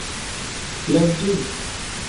لنډيز